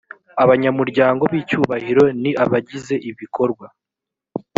abanyamuryango b icyubahiro ni abagize ibikorwa